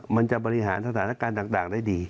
มันจะบริหารสถานการณ์ต่างได้ดี